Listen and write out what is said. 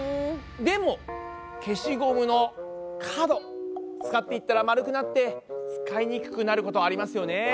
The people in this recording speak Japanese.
でも消しゴムの角使っていったらまるくなって使いにくくなることありますよね？